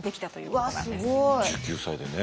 １９歳でね。